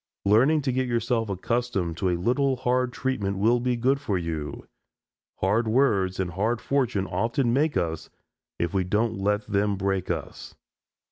Learning to get yourself accustomed to a little hard treatment will be good for you. Hard words and hard fortune often make us if we don't let them break us.